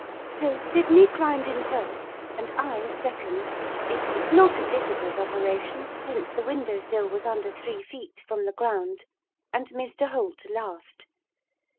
So Sydney climbed in first, and I second, it was not a difficult operation, since the window sill was under three feet from the ground and Mr Holt last.